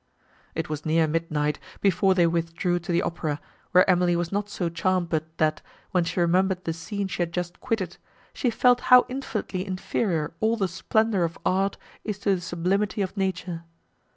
It was near midnight before they withdrew to the opera, where Emily was not so charmed but that, when she remembered the scene she had just quitted, she felt how infinitely inferior all the splendour of art is to the sublimity of nature.